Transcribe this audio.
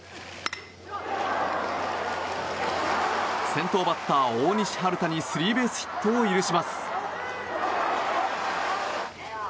先頭バッター、大西温太にスリーベースヒットを許します。